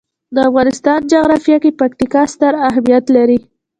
د افغانستان جغرافیه کې پکتیکا ستر اهمیت لري.